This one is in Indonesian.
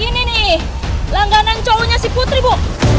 ini nih langganan cowoknya si putri bu